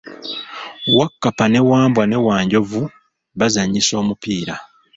Wakkapa ne Wambwa ne Wanjovu bazanyisa omupiira.